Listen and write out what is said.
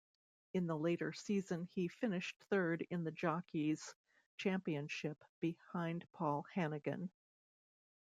In the latter season he finished third in the Jockeys' championship behind Paul Hanagan.